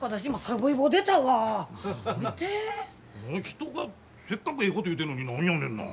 人がせっかくええこと言うてんのに何やねんな。